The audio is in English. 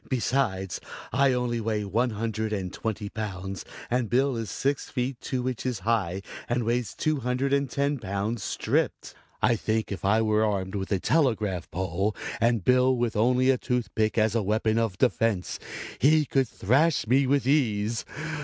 "Besides I only weigh one hundred and twenty pounds and Bill is six feet two inches high and weighs two hundred and ten pounds stripped. I think if I were armed with a telegraph pole and Bill with only a tooth pick as a weapon of defense he could thrash me with ease.